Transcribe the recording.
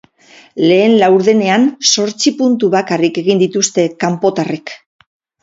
Lehen laurdenean zortzi puntu bakarrik egin dituzte kanpotarrek.